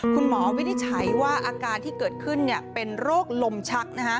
วินิจฉัยว่าอาการที่เกิดขึ้นเป็นโรคลมชัก